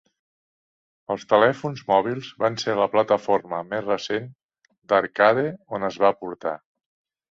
Els telèfons mòbils van ser la plataforma més recent d'arcade on es va portar.